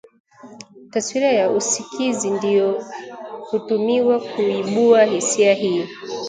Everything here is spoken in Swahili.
Taswira ya usikizi ndio hutumiwa kuibua hisia hii